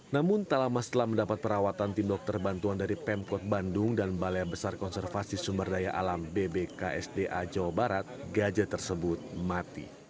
namun tak lama setelah mendapat perawatan tim dokter bantuan dari pemkot bandung dan balai besar konservasi sumber daya alam bbksda jawa barat gajah tersebut mati